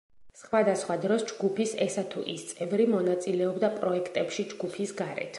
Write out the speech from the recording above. სხვადასხვა დროს ჯგუფის ესა თუ ის წევრი მონაწილეობდა პროექტებში ჯგუფის გარეთ.